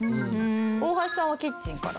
大橋さんはキッチンから。